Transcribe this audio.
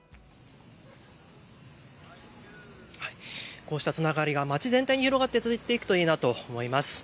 こうしたつながりが街全体に広がって続いていくといいなと思います。